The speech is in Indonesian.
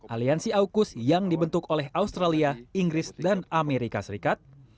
aliansi aukus yang dibentuk oleh australia inggris dan amerika serikat